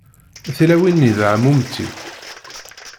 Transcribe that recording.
Tilawin-nni d εmumti.